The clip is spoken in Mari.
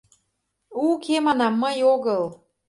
— Уке, — манам, — мый огыл!